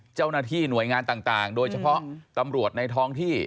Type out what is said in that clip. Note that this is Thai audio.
เจ้าหน้าที่หน่วยงานต่างโดยเฉพาะตำรวจในท้องที่